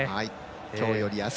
きょうよりあす！